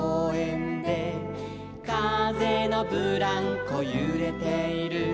「かぜのブランコゆれている」